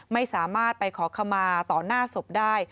ไม่สามารถไปขอขมาต่อหน้าศพได้